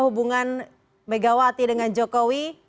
hubungan megawati dengan jokowi